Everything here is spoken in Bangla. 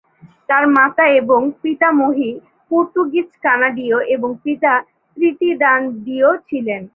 তার মাতা ও পিতামহী পর্তুগীজ কানাডীয় এবং পিতা ত্রিনিদাদীয় ছিলেন।